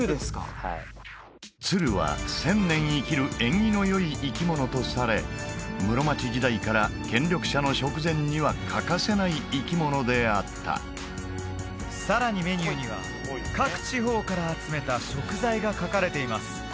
はいツルは１０００年生きる縁起のよい生き物とされ室町時代から権力者の食膳には欠かせない生き物であったさらにメニューには各地方から集めた食材が書かれています